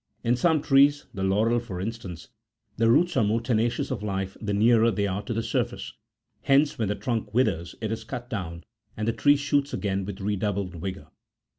In some trees, the laurel for instance, the roots are more tenacious of life the nearer they are to the surface : hence, when the trunk withers, it is cut down, and the tree shoots again with redoubled vigour.